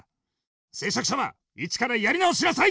制作者は一からやり直しなさい！